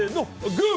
グー！